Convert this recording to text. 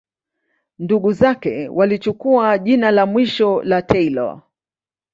Ndugu zake walichukua jina la mwisho la Taylor.